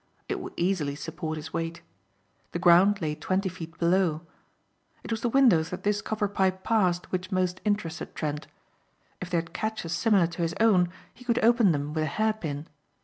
It would easily support his weight. The ground lay twenty feet below. It was the windows that this copper pipe passed which most interested Trent. If they had catches similar to his own he could open them with a hair pin.